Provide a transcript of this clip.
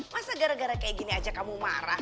masa gara gara kayak gini aja kamu marah